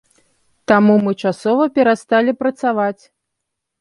Таму мы часова перасталі працаваць.